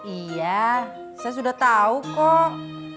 iya saya sudah tahu kok